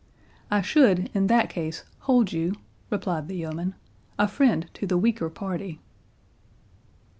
"I should in that case hold you," replied the yeoman, "a friend to the weaker party."